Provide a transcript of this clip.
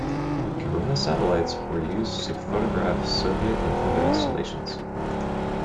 Corona satellites were used to photograph Soviet and other installations.